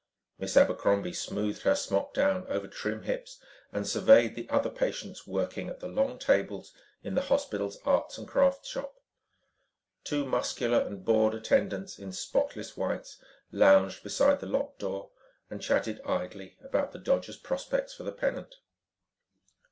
Miss Abercrombie smoothed her smock down over trim hips and surveyed the other patients working at the long tables in the hospital's arts and crafts shop. Two muscular and bored attendants in spotless whites, lounged beside the locked door and chatted idly about the Dodgers' prospects for the pennant.